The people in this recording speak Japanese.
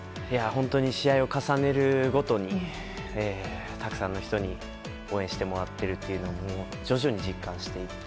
本当に試合を重ねるごとにたくさんの人に応援してもらっているというのを徐々に実感していて